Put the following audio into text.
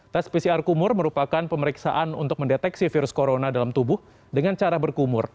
tes pcr kumur merupakan pemeriksaan untuk mendeteksi virus corona dalam tubuh dengan cara berkumur